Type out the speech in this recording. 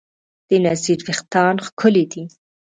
د نذیر وېښتیان ښکلي دي.